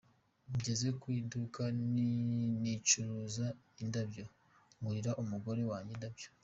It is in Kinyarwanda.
Ngeze ku iduka ricuruza indabyo, ngurira umugore wanjye indabyo.